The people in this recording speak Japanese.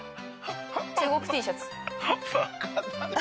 中国Ｔシャツ。